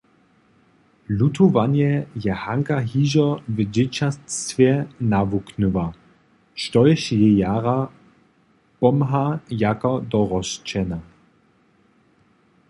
Lutowanje je Hanka hižo w dźěćatstwje nawuknyła, štož jej jara pomha jako dorosćena.